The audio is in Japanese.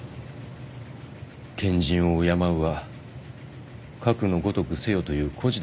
賢人を敬うはかくのごとくせよという故事でございます。